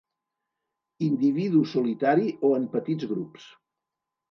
Individu solitari o en petits grups.